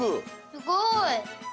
すごい！